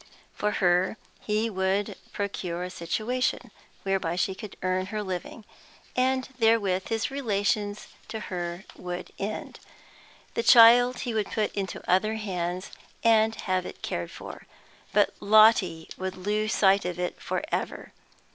For her he would procure a situation, whereby she could earn her living, and therewith his relations to her would end; the child he would put into other hands and have it cared for, but Lotty would lose sight of it for ever.